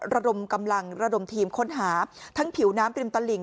ระดมกำลังระดมทีมค้นหาทั้งผิวน้ำริมตลิ่ง